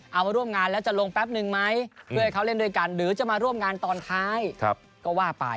เอามาร่วมงานแล้วจะลงแป๊บนึงไหมเพื่อให้เขาเล่นด้วยกันหรือจะมาร่วมงานตอนท้ายก็ว่าไป